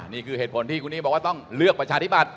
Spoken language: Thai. นี่คือเหตุผลที่คุณนี้บอกว่าต้องเลือกประชาธิบัติ